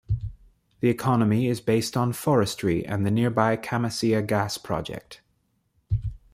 The economy is based on forestry and the nearby Camisea Gas Project.